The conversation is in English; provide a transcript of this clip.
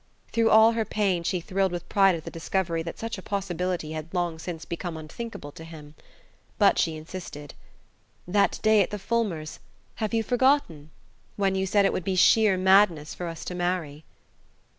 Through all her pain she thrilled with pride at the discovery that such a possibility had long since become unthinkable to him. But she insisted. "That day at the Fulmers' have you forgotten? When you said it would be sheer madness for us to marry."